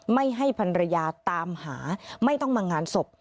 ไม่ให้พันรยาตามหาไม่ต้องมางานศพ